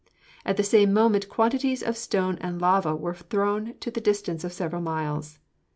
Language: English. At the same moment quantities of stones and lava were thrown to the distance of several miles.